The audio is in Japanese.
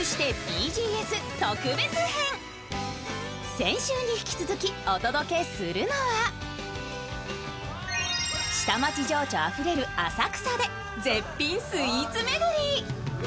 先週に引き続きお届けするのは下町情緒あふれる浅草で絶品スイーツ巡り。